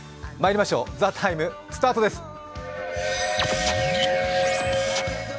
まいりましょう、「ＴＨＥＴＩＭＥ，」スタートです。